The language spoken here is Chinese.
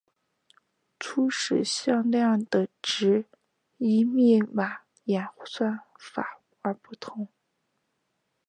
初始向量的值依密码演算法而不同。